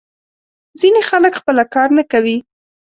ځینې خلک خپله کار نه کوي.